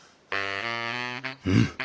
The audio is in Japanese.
うん？